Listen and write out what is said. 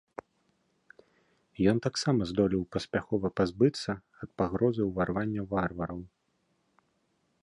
Ён таксама здолеў паспяхова пазбыцца ад пагрозы ўварвання варвараў.